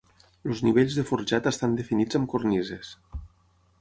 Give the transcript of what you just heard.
Els nivells de forjat estan definits amb cornises.